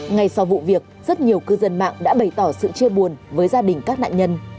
ngay sau vụ việc rất nhiều cư dân mạng đã bày tỏ sự chia buồn với gia đình các nạn nhân